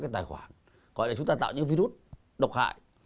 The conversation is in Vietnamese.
cái tài khoản gọi là chúng ta tạo những virus độc hại